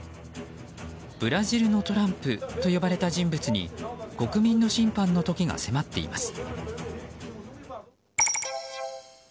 ブラジルのトランプと呼ばれた人物に国民の審判の時が迫っています。